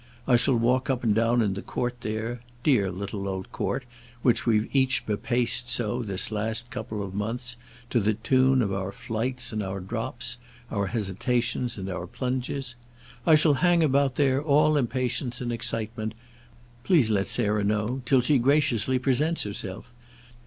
I shall walk up and down in the court there—dear little old court which we've each bepaced so, this last couple of months, to the tune of our flights and our drops, our hesitations and our plunges: I shall hang about there, all impatience and excitement, please let Sarah know, till she graciously presents herself.